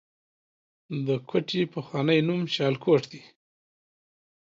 د کوټې پخوانی نوم شالکوټ دی